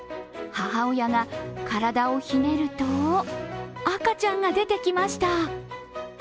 母親が体をひねると赤ちゃんが出てきました。